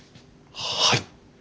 はい。